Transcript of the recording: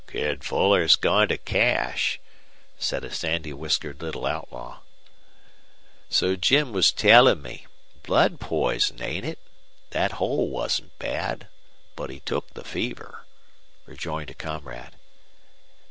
"Kid Fuller's goin' to cash," said a sandy whiskered little outlaw. "So Jim was tellin' me. Blood poison, ain't it? Thet hole wasn't bad. But he took the fever," rejoined a comrade.